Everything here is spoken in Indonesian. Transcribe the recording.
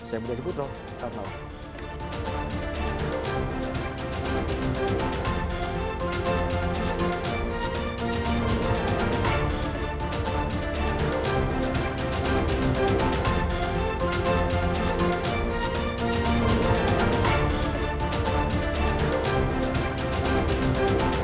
saya budhaj putro tata lawak